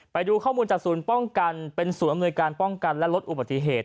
ไปดูข้อมูลจากศูนย์ป้องกันเป็นศูนย์อำนวยการป้องกันและลดอุบัติเหตุ